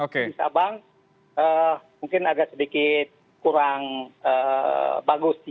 di sabang mungkin agak sedikit kurang bagus